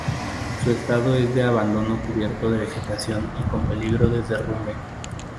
Su estado es de abandono, cubierto de vegetación y con peligro de derrumbe.